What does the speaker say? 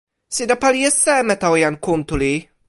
sina pali e seme tawa jan Kuntuli?